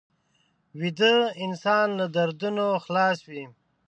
ویده انسان له دردونو خلاص وي